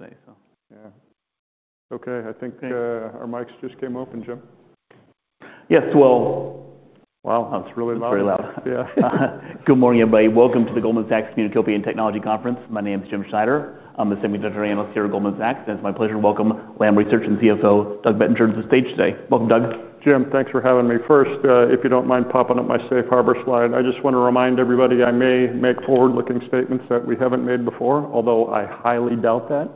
Yesterday, so. Yeah. Okay, I think our mics just came open, Jim. Yes, well. Wow, that's really loud. That's very loud. Yeah. Good morning, everybody. Welcome to the Goldman Sachs New Utopia and Technology Conference. My name is Jim Schneider. I'm the Semi-Digital Analyst here at Goldman Sachs, and it's my pleasure to welcome Lam Research and CFO Doug Bettinger to the stage today. Welcome, Doug. Jim, thanks for having me. First, if you don't mind popping up my safe harbor slide, I just want to remind everybody I may make forward-looking statements that we haven't made before, although I highly doubt that.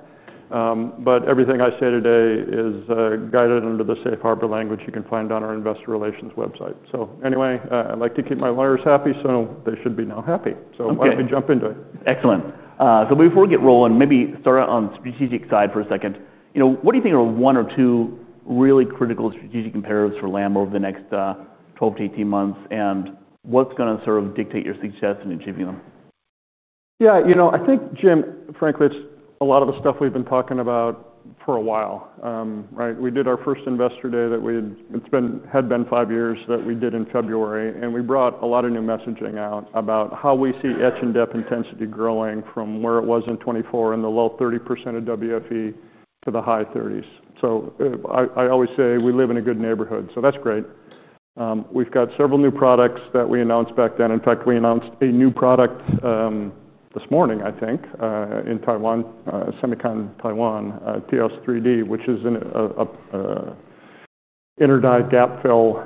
Everything I say today is guided under the safe harbor language you can find on our investor relations website. I like to keep my lawyers happy, so they should be now happy. Why don't we jump into it? Excellent. Maybe before we get rolling, maybe start out on the strategic side for a second. You know, what do you think are one or two really critical strategic imperatives for Lam over the next 12 to 18 months, and what's going to sort of dictate your success in achieving them? Yeah, you know, I think, Jim, frankly, it's a lot of the stuff we've been talking about for a while. Right? We did our first investor day that we had, it's been, had been five years that we did in February, and we brought a lot of new messaging out about how we see etch-and-dep intensity growing from where it was in 2024 in the low 30% of WFE to the high 30s. I always say we live in a good neighborhood, so that's great. We've got several new products that we announced back then. In fact, we announced a new product this morning, I think, in Taiwan, Semicon Taiwan, TS3D, which is an inter-die gap-fill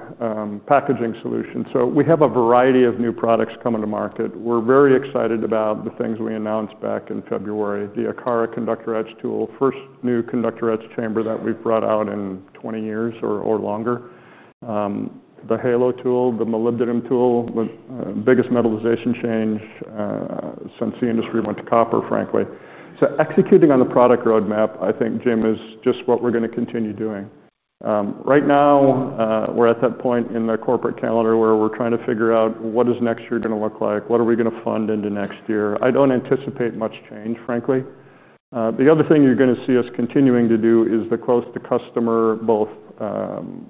packaging solution. We have a variety of new products coming to market. We're very excited about the things we announced back in February, the Akrion conductor etch tool, first new conductor etch chamber that we've brought out in 20 years or longer. The Halo tool, the molybdenum tool, the biggest metallization change since the industry went to copper, frankly. Executing on the product roadmap, I think, Jim, is just what we're going to continue doing. Right now, we're at that point in the corporate calendar where we're trying to figure out what is next year going to look like, what are we going to fund into next year. I don't anticipate much change, frankly. The other thing you're going to see us continuing to do is the close-to-customer both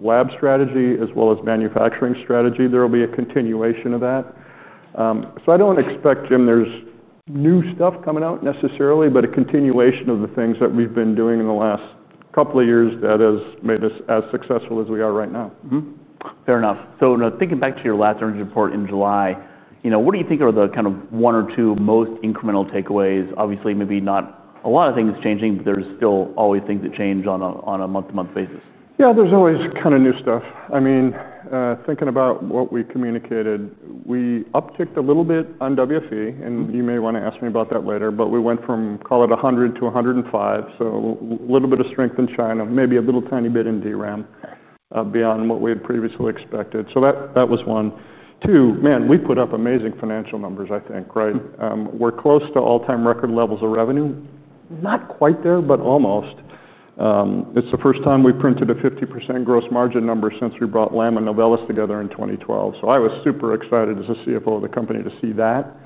lab strategy as well as manufacturing strategy. There will be a continuation of that. I don't expect, Jim, there's new stuff coming out necessarily, but a continuation of the things that we've been doing in the last couple of years that has made us as successful as we are right now. Fair enough. Thinking back to your last earnings report in July, what do you think are the kind of one or two most incremental takeaways? Obviously, maybe not a lot of things changing, but there's still always things that change on a month-to-month basis. Yeah, there's always kind of new stuff. I mean, thinking about what we communicated, we upticked a little bit on WFE, and you may want to ask me about that later, but we went from, call it, $100 billion to $105 billion. A little bit of strength in China, maybe a little tiny bit in DRAM beyond what we had previously expected. That was one. We put up amazing financial numbers, I think, right? We're close to all-time record levels of revenue, not quite there, but almost. It's the first time we printed a 50% gross margin number since we brought Lam Research and Novellus together in 2012. I was super excited as CFO of the company to see that.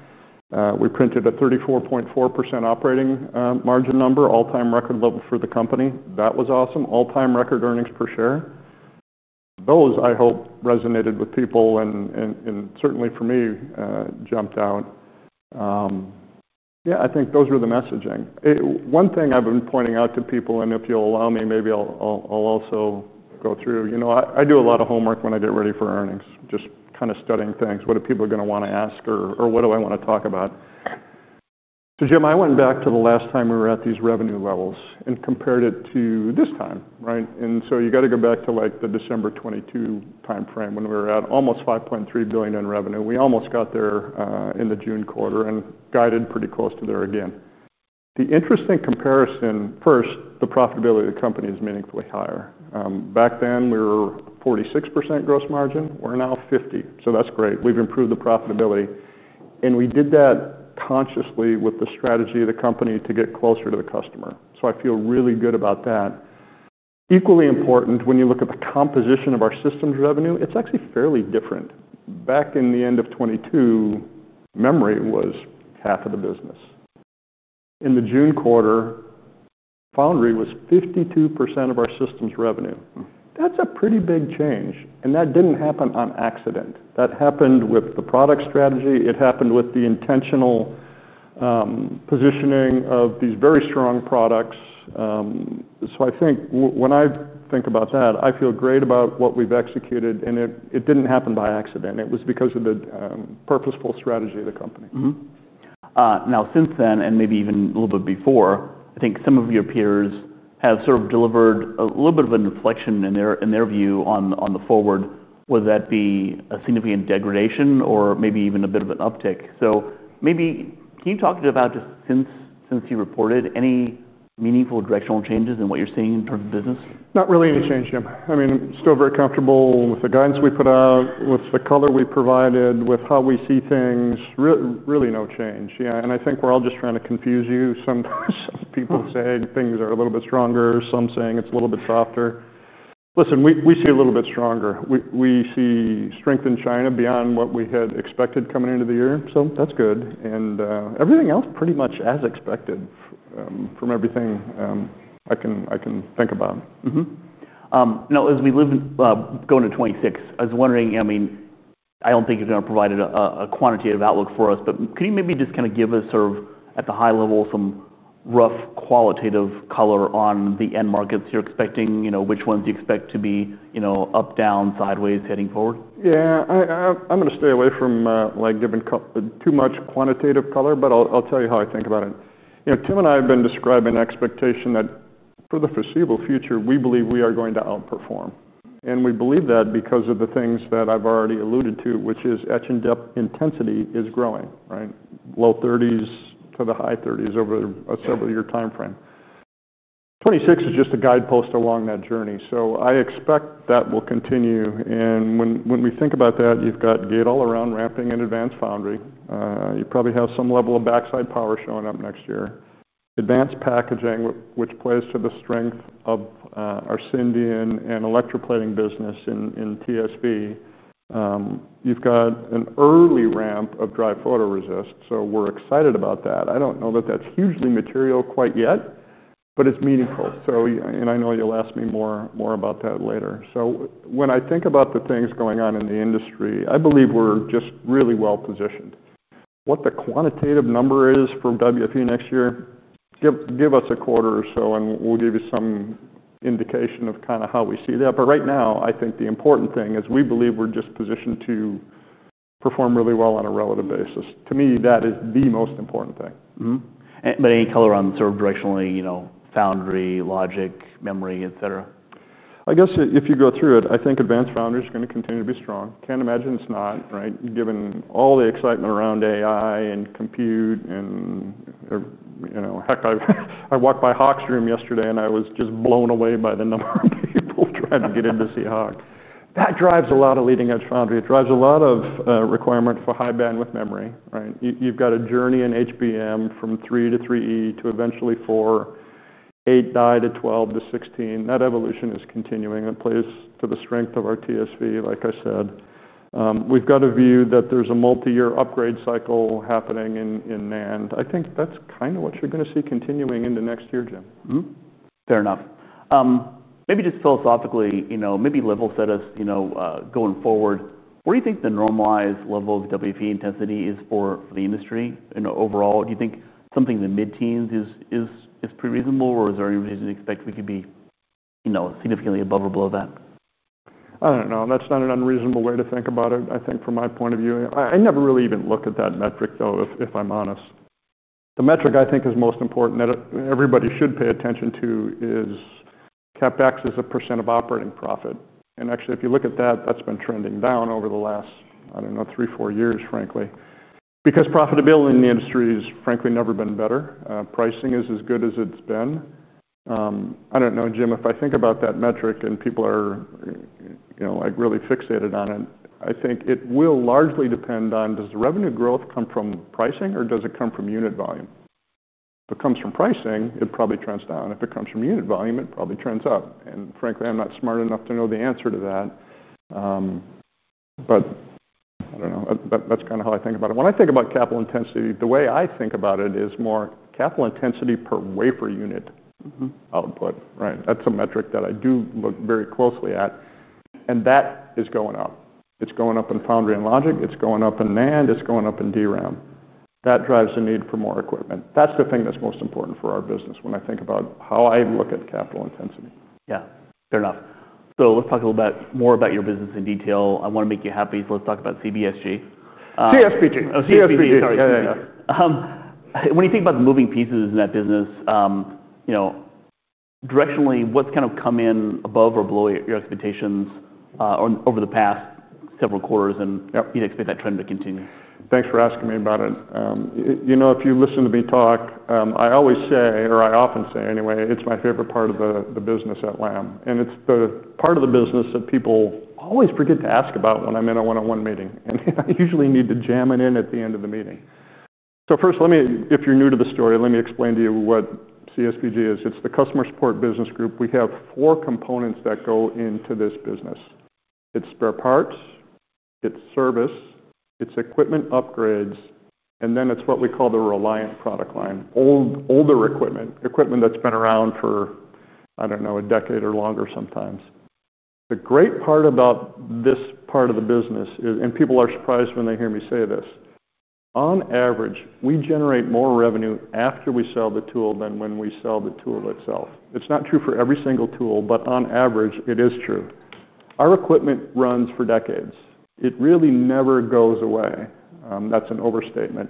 We printed a 34.4% operating margin number, all-time record level for the company. That was awesome. All-time record earnings per share. Those, I hope, resonated with people and certainly for me jumped out. I think those were the messaging. One thing I've been pointing out to people, and if you'll allow me, maybe I'll also go through, I do a lot of homework when I get ready for earnings, just kind of studying things. What are people going to want to ask or what do I want to talk about? Jim, I went back to the last time we were at these revenue levels and compared it to this time, right? You got to go back to like the December 2022 timeframe when we were at almost $5.3 billion in revenue. We almost got there in the June quarter and got in pretty close to there again. The interesting comparison, first, the profitability of the company is meaningfully higher. Back then, we were 46% gross margin. We're now 50%. That's great. We've improved the profitability. We did that consciously with the strategy of the company to get closer to the customer. I feel really good about that. Equally important, when you look at the composition of our systems revenue, it's actually fairly different. Back in the end of 2022, Memory was half of the business. In the June quarter, Foundry was 52% of our systems revenue. That's a pretty big change. That didn't happen on accident. That happened with the product strategy. It happened with the intentional positioning of these very strong products. I think when I think about that, I feel great about what we've executed. It didn't happen by accident. It was because of the purposeful strategy of the company. Now, since then, and maybe even a little bit before, I think some of your peers have sort of delivered a little bit of a deflection in their view on the forward, whether that be a significant degradation or maybe even a bit of an uptick. Can you talk about just since you reported any meaningful directional changes in what you're seeing in terms of business? Not really any change, Jim. I mean, still very comfortable with the guidance we put out, with the color we provided, with how we see things, really no change. I think we're all just trying to confuse you. Some people say things are a little bit stronger, some saying it's a little bit softer. We see a little bit stronger. We see strength in China beyond what we had expected coming into the year. That's good. Everything else pretty much as expected from everything I can think about. Now, as we live in going to 2026, I was wondering, I mean, I don't think you're going to provide a quantitative outlook for us, but can you maybe just kind of give us sort of at the high level some rough qualitative color on the end markets you're expecting, you know, which ones you expect to be, you know, up, down, sideways, heading forward? Yeah, I'm going to stay away from giving too much quantitative color, but I'll tell you how I think about it. You know, Tim and I have been describing expectation that for the foreseeable future, we believe we are going to outperform. We believe that because of the things that I've already alluded to, which is etch-and-dep intensity is growing, right? Low 30% to the high 30% over a several-year timeframe. 2026 is just a guidepost along that journey. I expect that will continue. When we think about that, you've got gate all-around ramping in advanced foundry. You probably have some level of backside power showing up next year. Advanced packaging, which plays to the strength of our Cindian and electroplating business in TSV. You've got an early ramp of dry photoresist. We're excited about that. I don't know that that's hugely material quite yet, but it's meaningful. I know you'll ask me more about that later. When I think about the things going on in the industry, I believe we're just really well positioned. What the quantitative number is for WFE next year, give us a quarter or so, and we'll give you some indication of kind of how we see that. Right now, I think the important thing is we believe we're just positioned to perform really well on a relative basis. To me, that is the most important thing. Any color on sort of directionally, you know, foundry, logic, memory, et cetera? I guess if you go through it, I think advanced foundry is going to continue to be strong. Can't imagine it's not, right? Given all the excitement around AI and compute, you know, heck, I walked by Harlan Sur's room yesterday and I was just blown away by the number of people trying to get in to see Harlan. That drives a lot of leading-edge foundry. It drives a lot of requirement for high bandwidth memory, right? You've got a journey in HBM from 3 to 3E to eventually 4, 8 die to 12 to 16. That evolution is continuing. It plays to the strength of our TSV, like I said. We've got a view that there's a multi-year upgrade cycle happening in NAND. I think that's kind of what you're going to see continuing into next year, Jim. Fair enough. Maybe just philosophically, maybe level set us, going forward. What do you think the normalized level of WFE intensity is for the industry? Overall, do you think something in the mid-teens is pretty reasonable, or is there any reason to expect we could be significantly above or below that? I don't know. That's not an unreasonable way to think about it, I think, from my point of view. I never really even looked at that metric, though, if I'm honest. The metric I think is most important that everybody should pay attention to is CapEx as a % of operating profit. Actually, if you look at that, that's been trending down over the last, I don't know, three, four years, frankly. Profitability in the industry has, frankly, never been better. Pricing is as good as it's been. I don't know, Jim, if I think about that metric and people are, you know, like really fixated on it, I think it will largely depend on, does revenue growth come from pricing or does it come from unit volume? If it comes from pricing, it probably trends down. If it comes from unit volume, it probably trends up. Frankly, I'm not smart enough to know the answer to that. I don't know. That's kind of how I think about it. When I think about capital intensity, the way I think about it is more capital intensity per wafer unit output, right? That's a metric that I do look very closely at. That is going up. It's going up in foundry and logic. It's going up in NAND. It's going up in DRAM. That drives the need for more equipment. That's the thing that's most important for our business when I think about how I look at capital intensity. Yeah, fair enough. Let's talk a little bit more about your business in detail. I want to make you happy, so let's talk about CSBG. CSPG. Oh, CSBG, sorry. Yeah, yeah, yeah. When you think about the moving pieces in that business, you know, directionally, what's kind of come in above or below your expectations over the past several quarters, and you'd expect that trend to continue? Thanks for asking me about it. You know, if you listen to me talk, I always say, or I often say anyway, it's my favorite part of the business at Lam. It's the part of the business that people always forget to ask about when I'm in a one-on-one meeting. I usually need to jam it in at the end of the meeting. First, let me, if you're new to the story, let me explain to you what CSBG is. It's the Customer Support Business Group. We have four components that go into this business. It's spare parts, it's service, it's equipment upgrades, and then it's what we call the Reliant product line, older equipment, equipment that's been around for, I don't know, a decade or longer sometimes. The great part about this part of the business is, and people are surprised when they hear me say this, on average, we generate more revenue after we sell the tool than when we sell the tool itself. It's not true for every single tool, but on average, it is true. Our equipment runs for decades. It really never goes away. That's an overstatement.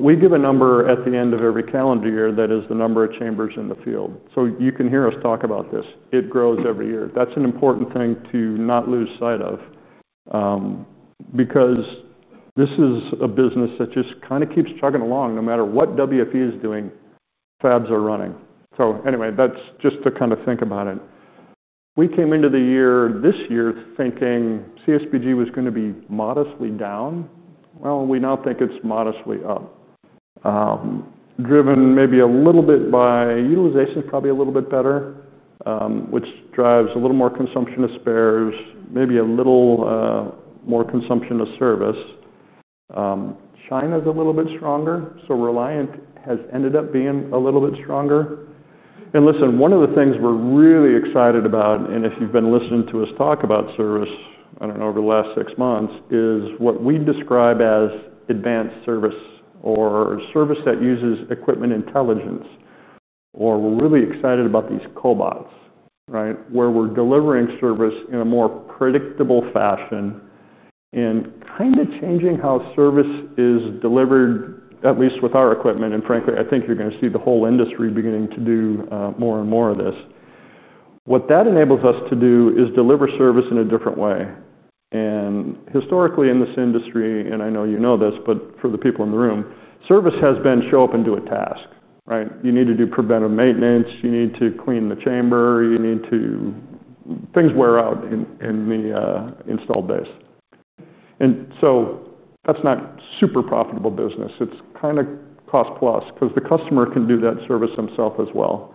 We give a number at the end of every calendar year that is the number of chambers in the field. You can hear us talk about this. It grows every year. That's an important thing to not lose sight of because this is a business that just kind of keeps chugging along. No matter what WFE is doing, fabs are running. That's just to kind of think about it. We came into the year this year thinking CSBG was going to be modestly down. We now think it's modestly up. Driven maybe a little bit by utilization is probably a little bit better, which drives a little more consumption of spares, maybe a little more consumption of service. China's a little bit stronger, so Reliant has ended up being a little bit stronger. One of the things we're really excited about, and if you've been listening to us talk about service, I don't know, over the last six months, is what we describe as advanced service or service that uses equipment intelligence. We're really excited about these cobots, right, where we're delivering service in a more predictable fashion and kind of changing how service is delivered, at least with our equipment. Frankly, I think you're going to see the whole industry beginning to do more and more of this. What that enables us to do is deliver service in a different way. Historically in this industry, and I know you know this, but for the people in the room, service has been show up and do a task, right? You need to do preventive maintenance. You need to clean the chamber. Things wear out in the installed base, and that's not super profitable business. It's kind of cost plus because the customer can do that service themself as well.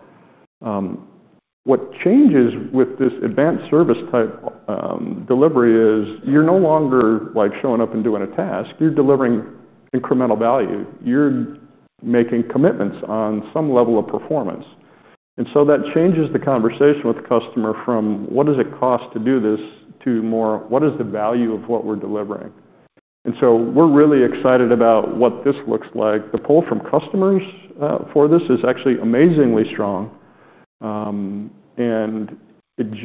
What changes with this advanced service type delivery is you're no longer like showing up and doing a task. You're delivering incremental value. You're making commitments on some level of performance. That changes the conversation with the customer from what does it cost to do this to more what is the value of what we're delivering. We're really excited about what this looks like. The pull from customers for this is actually amazingly strong.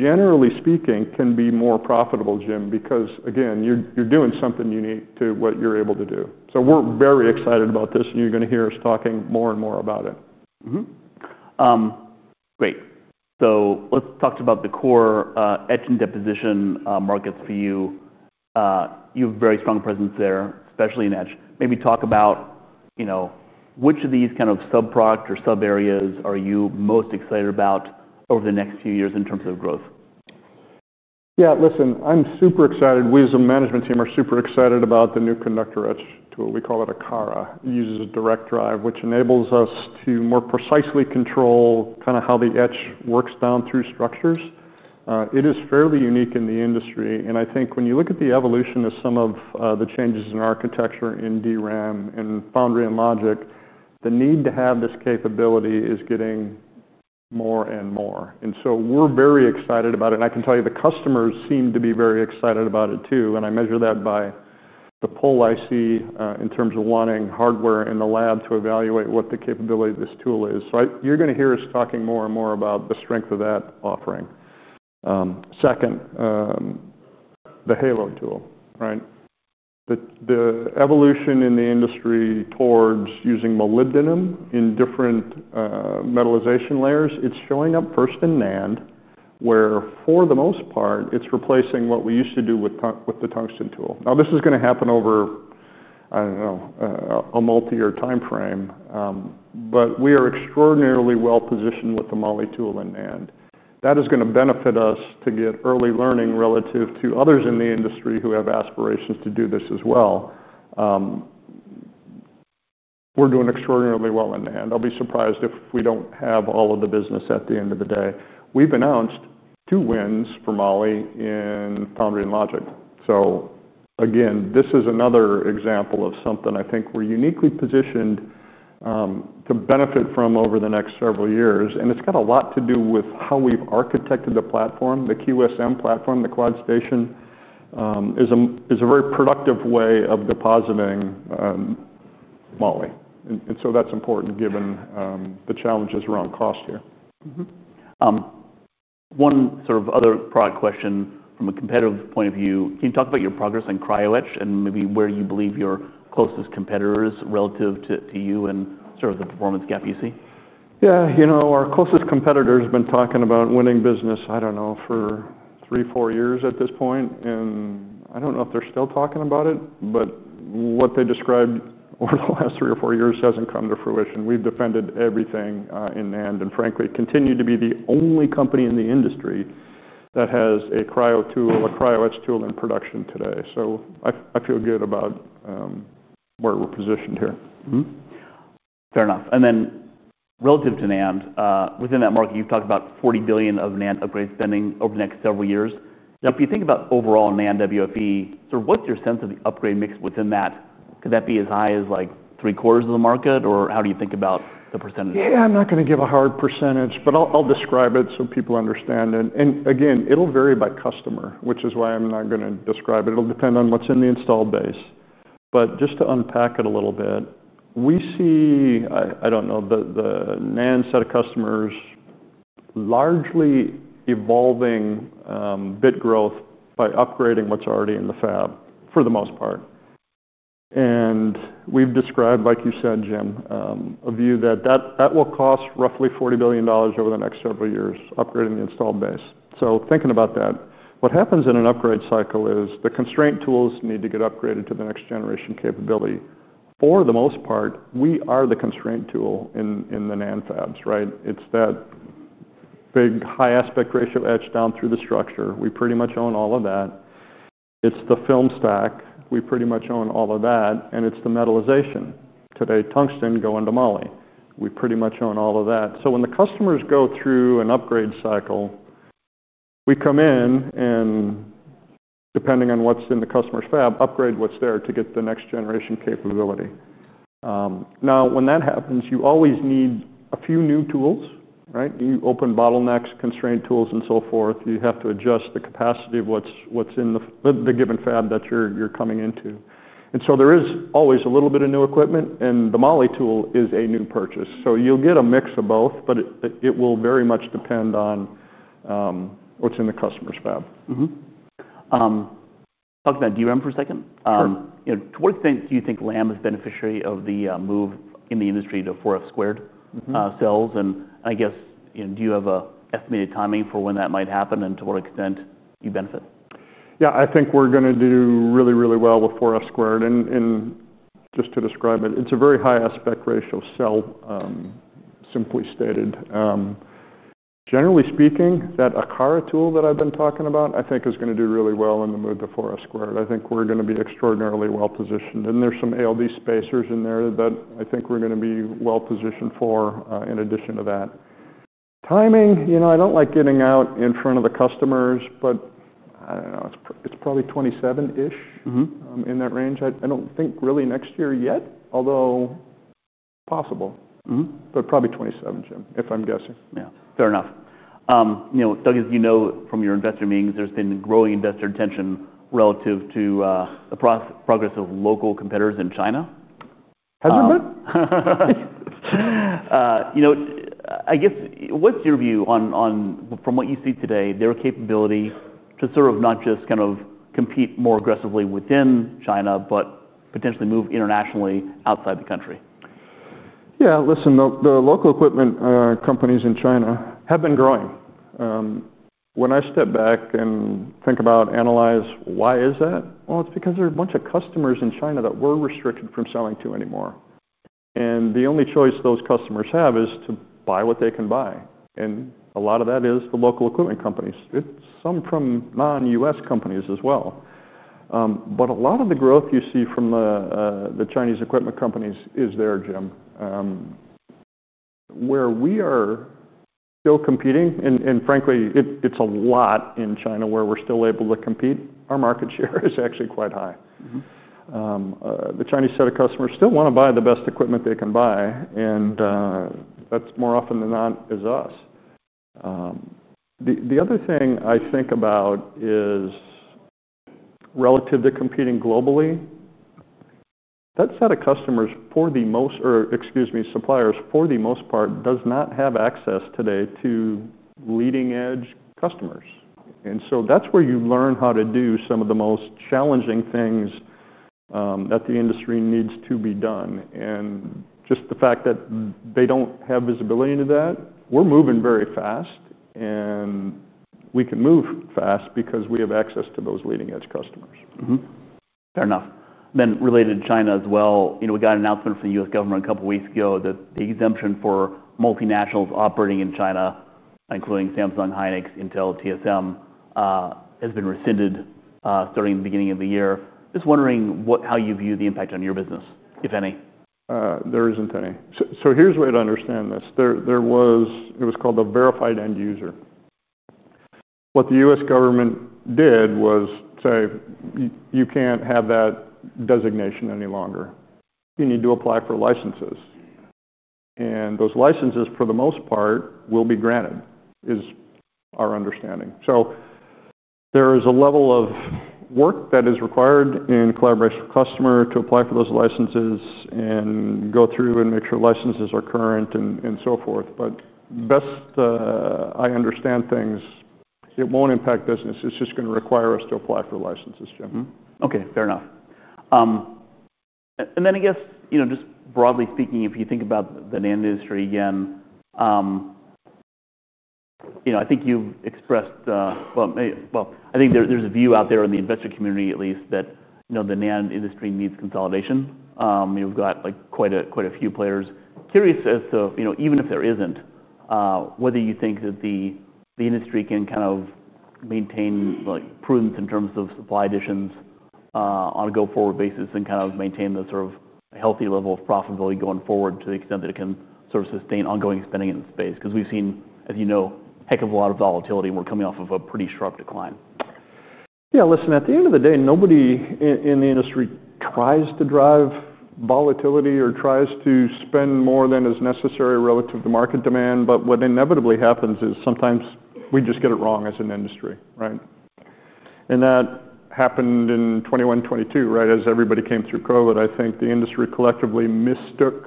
Generally speaking, it can be more profitable, Jim, because, again, you're doing something unique to what you're able to do. We're very excited about this, and you're going to hear us talking more and more about it. Great. Let's talk about the core etch and deposition markets for you. You have a very strong presence there, especially in etch. Maybe talk about, you know, which of these kind of sub-product or sub-areas are you most excited about over the next few years in terms of growth? Yeah, listen, I'm super excited. We as a management team are super excited about the new conductor etch tool. We call it Akrion. It uses a direct drive, which enables us to more precisely control kind of how the etch works down through structures. It is fairly unique in the industry. I think when you look at the evolution of some of the changes in architecture in DRAM and foundry and logic, the need to have this capability is getting more and more. We're very excited about it. I can tell you the customers seem to be very excited about it too. I measure that by the pull I see in terms of wanting hardware in the lab to evaluate what the capability of this tool is. You're going to hear us talking more and more about the strength of that offering. Second, the Halo tool, right? The evolution in the industry towards using molybdenum in different metallization layers, it's showing up first in NAND, where, for the most part, it's replacing what we used to do with the tungsten tool. This is going to happen over, I don't know, a multi-year timeframe. We are extraordinarily well positioned with the MOLE tool in NAND. That is going to benefit us to get early learning relative to others in the industry who have aspirations to do this as well. We're doing extraordinarily well in NAND. I'll be surprised if we don't have all of the business at the end of the day. We've announced two wins for MOLE in foundry and logic. This is another example of something I think we're uniquely positioned to benefit from over the next several years. It's got a lot to do with how we've architected the platform. The QSM platform, the Cloud Station, is a very productive way of depositing MOLE. That's important given the challenges around cost here. One sort of other product question from a competitive point of view, can you talk about your progress in cryogenic etch and maybe where you believe your closest competitors are relative to you and sort of the performance gap you see? Yeah, our closest competitors have been talking about winning business, I don't know, for three, four years at this point. I don't know if they're still talking about it, but what they described over the last three or four years hasn't come to fruition. We've defended everything in NAND and frankly continue to be the only company in the industry that has a cryogenic etch tool in production today. I feel good about where we're positioned here. Fair enough. Relative to NAND, within that market, you've talked about $40 billion of NAND upgrade spending over the next several years. Yep. If you think about overall NAND WFE, what's your sense of the upgrade mix within that? Could that be as high as like 75% of the market or how do you think about the percentage? Yeah, I'm not going to give a hard %, but I'll describe it so people understand it. It'll vary by customer, which is why I'm not going to describe it. It'll depend on what's in the installed base. Just to unpack it a little bit, we see, I don't know, the NAND set of customers largely evolving bit growth by upgrading what's already in the fab for the most part. We've described, like you said, Jim, a view that that will cost roughly $40 billion over the next several years, upgrading the installed base. Thinking about that, what happens in an upgrade cycle is the constraint tools need to get upgraded to the next generation capability. For the most part, we are the constraint tool in the NAND fabs, right? It's that big high aspect ratio etch down through the structure. We pretty much own all of that. It's the film stack. We pretty much own all of that. It's the metallization. Today, tungsten going to MOLE. We pretty much own all of that. When the customers go through an upgrade cycle, we come in and, depending on what's in the customer's fab, upgrade what's there to get the next generation capability. When that happens, you always need a few new tools, right? You open bottlenecks, constraint tools, and so forth. You have to adjust the capacity of what's in the given fab that you're coming into. There is always a little bit of new equipment, and the MOLE tool is a new purchase. You'll get a mix of both, but it will very much depend on what's in the customer's fab. Talking about DRAM for a second. Sure. To what extent do you think Lam is beneficiary of the move in the industry to 4F² DRAM cells? Do you have an estimated timing for when that might happen and to what extent you benefit? Yeah, I think we're going to do really, really well with 4F². Just to describe it, it's a very high aspect ratio cell, simply stated. Generally speaking, that Akrion tool that I've been talking about, I think is going to do really well in the move to 4F². I think we're going to be extraordinarily well positioned. There's some ALD spacers in there that I think we're going to be well positioned for in addition to that. Timing, you know, I don't like getting out in front of the customers, but I don't know, it's probably 2027-ish in that range. I don't think really next year yet, although possible, but probably 2027, Jim, if I'm guessing. Yeah, fair enough. You know, Doug, as you know from your investor meetings, there's been growing investor attention relative to the progress of local competitors in China. Has there been? What's your view on, from what you see today, their capability to sort of not just kind of compete more aggressively within China, but potentially move internationally outside the country? Yeah, listen, the local equipment companies in China have been growing. When I step back and think about, analyze, why is that? It's because there are a bunch of customers in China that we're restricted from selling to anymore. The only choice those customers have is to buy what they can buy, and a lot of that is the local equipment companies. It's some from non-U.S. companies as well. A lot of the growth you see from the Chinese equipment companies is there, Jim. Where we are still competing, and frankly, it's a lot in China where we're still able to compete, our market share is actually quite high. The Chinese set of customers still want to buy the best equipment they can buy, and that's more often than not us. The other thing I think about is relative to competing globally, that set of suppliers for the most part does not have access today to leading-edge customers. That's where you learn how to do some of the most challenging things that the industry needs to be done. Just the fact that they don't have visibility into that, we're moving very fast, and we can move fast because we have access to those leading-edge customers. Fair enough. Related to China as well, we got an announcement from the U.S. government a couple of weeks ago that the exemption for multinationals operating in China, including Samsung, Hynix, Intel, TSMC, has been rescinded starting at the beginning of the year. Just wondering how you view the impact on your business, if any. There isn't any. Here's a way to understand this. It was called a verified end user. What the U.S. government did was say, you can't have that designation any longer. You need to apply for licenses, and those licenses, for the most part, will be granted, is our understanding. There is a level of work that is required in collaboration with the customer to apply for those licenses and go through and make sure licenses are current and so forth. The best I understand things, it won't impact business. It's just going to require us to apply for licenses, Jim. Okay, fair enough. I guess, just broadly speaking, if you think about the NAND industry again, I think you've expressed the, I think there's a view out there in the investor community at least that the NAND industry needs consolidation. We've got quite a few players. Curious as to, even if there isn't, whether you think that the industry can kind of maintain prudence in terms of supply additions on a go-forward basis and kind of maintain the sort of healthy level of profitability going forward to the extent that it can sustain ongoing spending in the space. We've seen, as you know, a heck of a lot of volatility and we're coming off of a pretty sharp decline. Yeah, listen, at the end of the day, nobody in the industry tries to drive volatility or tries to spend more than is necessary relative to market demand. What inevitably happens is sometimes we just get it wrong as an industry, right? That happened in 2021, 2022, right? As everybody came through COVID, I think the industry collectively mistook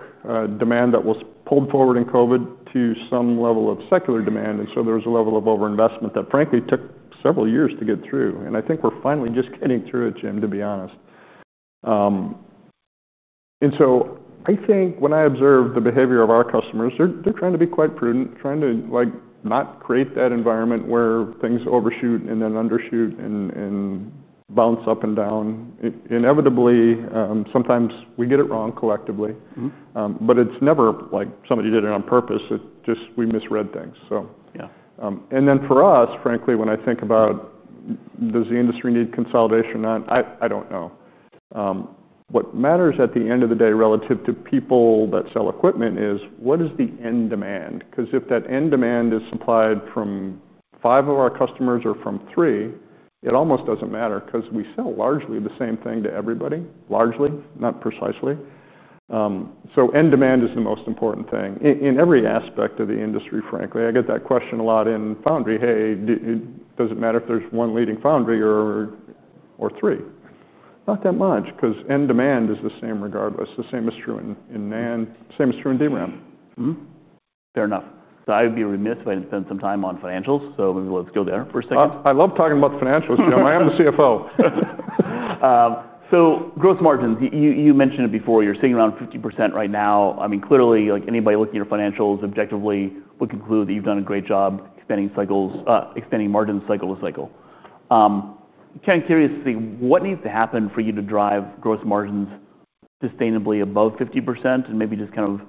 demand that was pulled forward in COVID to some level of secular demand. There was a level of overinvestment that frankly took several years to get through. I think we're finally just getting through it, Jim, to be honest. When I observe the behavior of our customers, they're trying to be quite prudent, trying to not create that environment where things overshoot and then undershoot and bounce up and down. Inevitably, sometimes we get it wrong collectively. It's never like somebody did it on purpose. It's just we misread things. For us, frankly, when I think about does the industry need consolidation or not, I don't know. What matters at the end of the day relative to people that sell equipment is what is the end demand. If that end demand is supplied from five of our customers or from three, it almost doesn't matter because we sell largely the same thing to everybody, largely, not precisely. End demand is the most important thing in every aspect of the industry, frankly. I get that question a lot in foundry. Hey, does it matter if there's one leading foundry or three? Not that much because end demand is the same regardless. The same is true in NAND, same is true in DRAM. Fair enough. I'd be remiss if I didn't spend some time on financials. Let's go there for a second. I love talking about the financials, Jim. I am the CFO. Growth margins, you mentioned it before, you're sitting around 50% right now. I mean, clearly, like anybody looking at your financials objectively would conclude that you've done a great job expanding margin cycle to cycle. I'm kind of curious to see what needs to happen for you to drive growth margins sustainably above 50% and maybe just kind of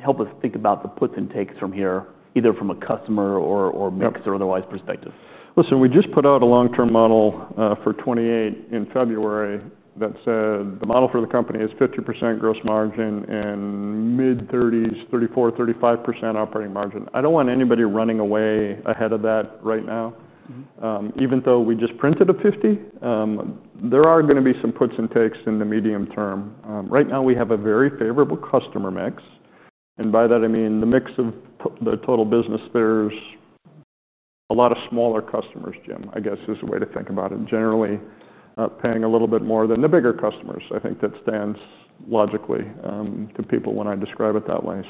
help us think about the puts and takes from here, either from a customer or mix or otherwise perspective. Listen, we just put out a long-term model for 2028 in February that said the model for the company is 50% gross margin and mid-30s, 34, 35% operating margin. I don't want anybody running away ahead of that right now. Even though we just printed a 50, there are going to be some puts and takes in the medium term. Right now, we have a very favorable customer mix. By that, I mean the mix of the total business. There's a lot of smaller customers, Jim, I guess is a way to think about it. Generally, paying a little bit more than the bigger customers. I think that stands logically to people when I describe it that way.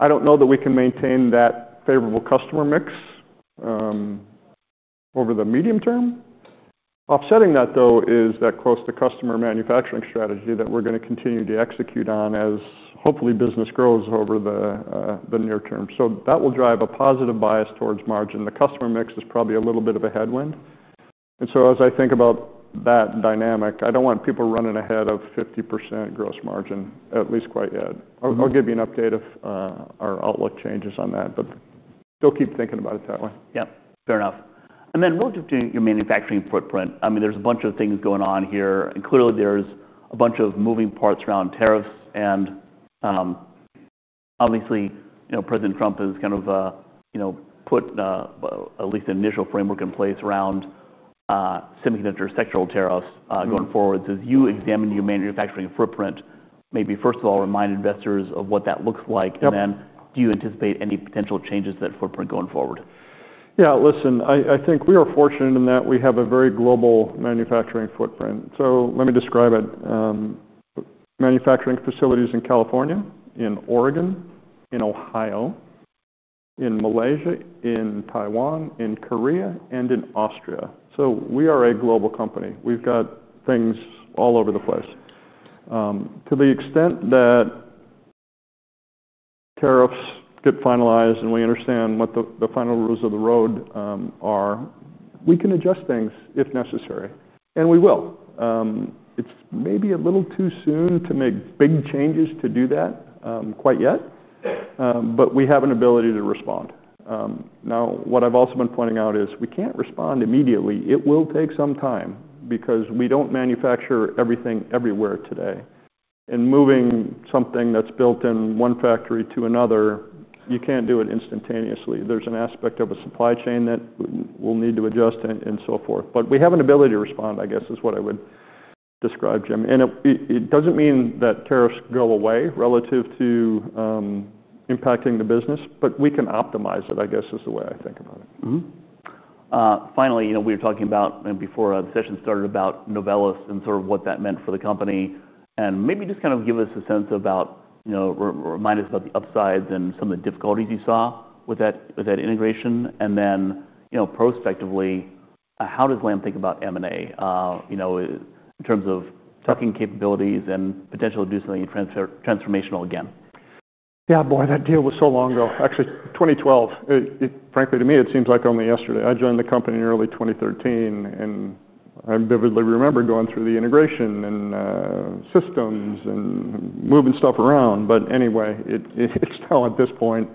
I don't know that we can maintain that favorable customer mix over the medium term. Offsetting that, though, is that close-to-customer manufacturing strategy that we're going to continue to execute on as hopefully business grows over the near term. That will drive a positive bias towards margin. The customer mix is probably a little bit of a headwind. As I think about that dynamic, I don't want people running ahead of 50% gross margin, at least quite yet. I'll give you an update if our outlook changes on that. Still keep thinking about it that way. Yeah, fair enough. Relative to your manufacturing footprint, there are a bunch of things going on here. Clearly, there are a bunch of moving parts around tariffs. Obviously, President Trump has put at least an initial framework in place around semiconductor sectoral tariffs going forward. As you examine your manufacturing footprint, maybe first of all, remind investors of what that looks like. Do you anticipate any potential changes to that footprint going forward? Yeah, listen, I think we are fortunate in that we have a very global manufacturing footprint. Let me describe it. Manufacturing facilities in California, in Oregon, in Ohio, in Malaysia, in Taiwan, in Korea, and in Austria. We are a global company. We've got things all over the place. To the extent that tariffs get finalized and we understand what the final rules of the road are, we can adjust things if necessary, and we will. It's maybe a little too soon to make big changes to do that quite yet, but we have an ability to respond. What I've also been pointing out is we can't respond immediately. It will take some time because we don't manufacture everything everywhere today, and moving something that's built in one factory to another, you can't do it instantaneously. There's an aspect of a supply chain that we'll need to adjust and so forth, but we have an ability to respond, I guess, is what I would describe, Jim. It doesn't mean that tariffs go away relative to impacting the business, but we can optimize it, I guess, is the way I think about it. Finally, you know, we were talking about before the session started about Novellus and sort of what that meant for the company. Maybe just kind of give us a sense about, you know, remind us about the upsides and some of the difficulties you saw with that integration. You know, prospectively, how does Lam think about M&A, you know, in terms of tucking capabilities and potential to do something transformational again? Yeah, boy, that deal was so long ago. Actually, 2012. Frankly, to me, it seems like only yesterday. I joined the company in early 2013, and I vividly remember going through the integration and systems and moving stuff around. Anyway, it's still at this point.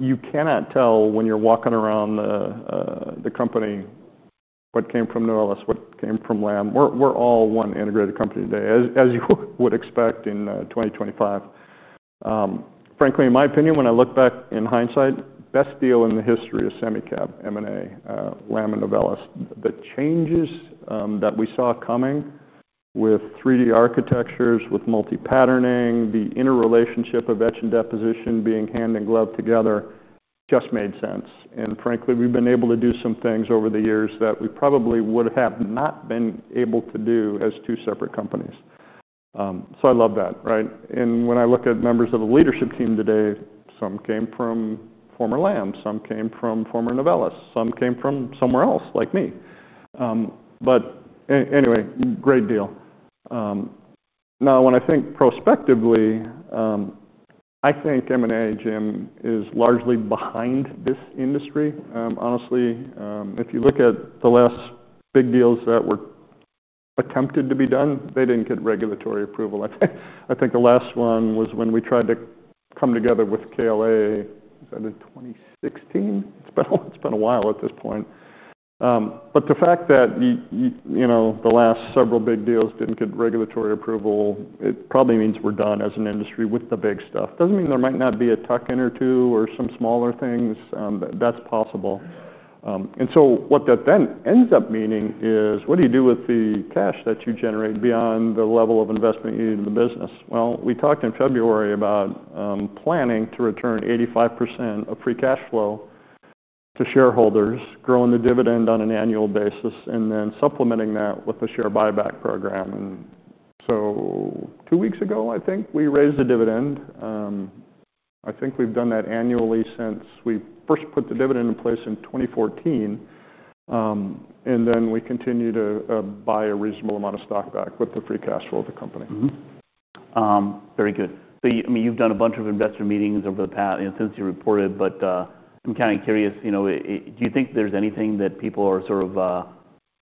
You cannot tell when you're walking around the company what came from Novellus, what came from Lam. We're all one integrated company today, as you would expect in 2025. Frankly, in my opinion, when I look back in hindsight, best deal in the history of semi-cap M&A, Lam and Novellus, the changes that we saw coming with 3D architectures, with multi-patterning, the interrelationship of etch and deposition being hand and glove together just made sense. Frankly, we've been able to do some things over the years that we probably would have not been able to do as two separate companies. I love that, right? When I look at members of the leadership team today, some came from former Lam, some came from former Novellus, some came from somewhere else like me. Anyway, great deal. Now, when I think prospectively, I think M&A, Jim, is largely behind this industry. Honestly, if you look at the last big deals that were attempted to be done, they didn't get regulatory approval. I think the last one was when we tried to come together with KLA in 2016. It's been a while at this point. The fact that the last several big deals didn't get regulatory approval probably means we're done as an industry with the big stuff. It doesn't mean there might not be a tuck in or two or some smaller things. That's possible. What that then ends up meaning is what do you do with the cash that you generate beyond the level of investment you need in the business? We talked in February about planning to return 85% of free cash flow to shareholders, growing the dividend on an annual basis, and then supplementing that with a share buyback program. Two weeks ago, I think we raised the dividend. I think we've done that annually since we first put the dividend in place in 2014. We continue to buy a reasonable amount of stock back with the free cash flow of the company. Very good. I mean, you've done a bunch of investor meetings over the past, you know, since you reported, but I'm kind of curious, do you think there's anything that people are sort of,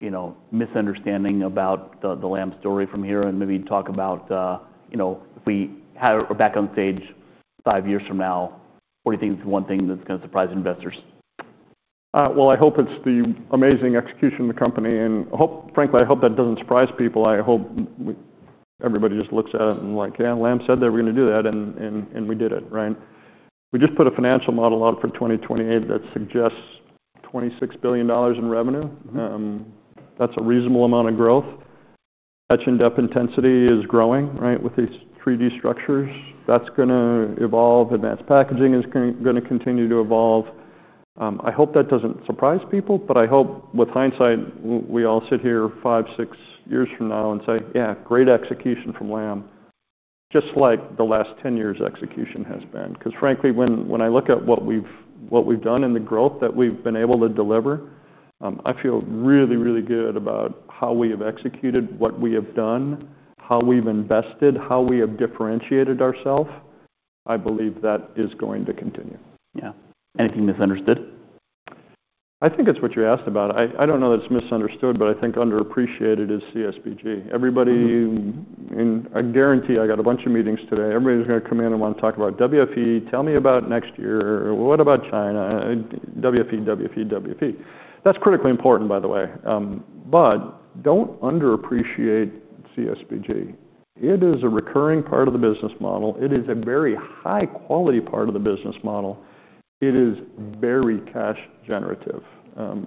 you know, misunderstanding about the Lam story from here? Maybe talk about, you know, if we are back on stage five years from now, what do you think is the one thing that's going to surprise investors? I hope it's the amazing execution of the company. I hope, frankly, that doesn't surprise people. I hope everybody just looks at it and is like, yeah, Lam said they were going to do that and we did it, right? We just put a financial model out for 2028 that suggests $26 billion in revenue. That's a reasonable amount of growth. Etch and depth intensity is growing, right, with these 3D structures. That's going to evolve. Advanced packaging is going to continue to evolve. I hope that doesn't surprise people, but I hope with hindsight, we all sit here five, six years from now and say, yeah, great execution from Lam, just like the last 10 years' execution has been. Because frankly, when I look at what we've done and the growth that we've been able to deliver, I feel really, really good about how we have executed, what we have done, how we've invested, how we have differentiated ourselves. I believe that is going to continue. Yeah, anything misunderstood? I think it's what you asked about. I don't know that it's misunderstood, but I think underappreciated is CSBG. Everybody, and I guarantee I got a bunch of meetings today, everybody's going to come in and want to talk about WFE. Tell me about next year. What about China? WFE, WFE, WFE. That's critically important, by the way. Don't underappreciate CSBG. It is a recurring part of the business model. It is a very high-quality part of the business model. It is very cash-generative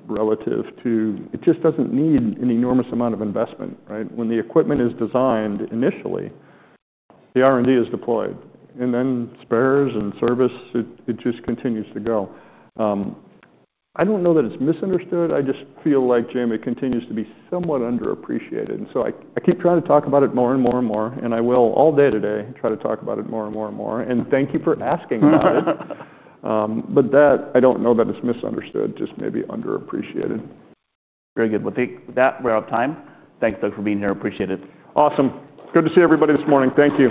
relative to, it just doesn't need an enormous amount of investment, right? When the equipment is designed initially, the R&D is deployed, and then spares and service, it just continues to go. I don't know that it's misunderstood. I just feel like, Jim, it continues to be somewhat underappreciated. I keep trying to talk about it more and more and more. I will all day today try to talk about it more and more and more. Thank you for asking about it. I don't know that it's misunderstood, just maybe underappreciated. Very good. I think that we're out of time. Thanks, Doug, for being here. Appreciate it. Awesome. Good to see everybody this morning. Thank you.